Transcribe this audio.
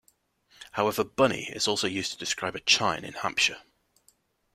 However, 'bunny' is also used to describe a chine in Hampshire.